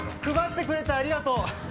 配ってくれてありがとう。